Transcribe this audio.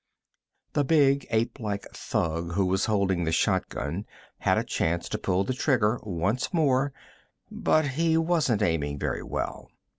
The big, apelike thug who was holding the shotgun had a chance to pull the trigger once more, but he wasn't aiming very well.